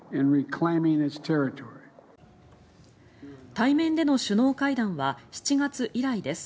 対面での首脳会談は７月以来です。